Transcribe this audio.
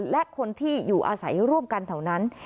และคนที่อยู่อาศัยร่วมกันแถวนั้น